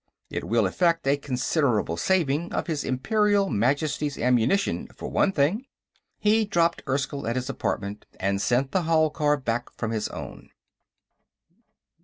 It will effect a considerable saving of his Imperial Majesty's ammunition, for one thing." He dropped Erskyll at his apartment and sent the hall car back from his own.